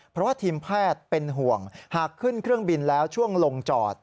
เพราะว่าทีมแพทย์เป็นห่วงหากขึ้นเครื่องบินแล้วช่วงลงจอด